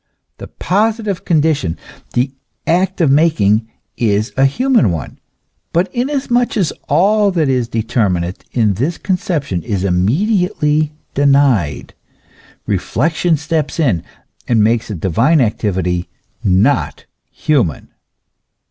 The positive condition the act of making is a human one ; hut inasmuch as all that is determinate in this conception is immediately denied, reflec tion steps in and makes the divine activity not human.